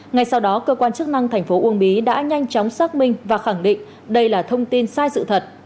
ngày sau đó cơ quan chức năng tp uông bí đã nhanh chóng xác minh và khẳng định đây là thông tin sai sự thật